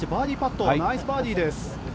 ナイスバーディーです。